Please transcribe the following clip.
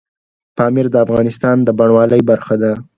پامیر د افغانستان د بڼوالۍ برخه ده.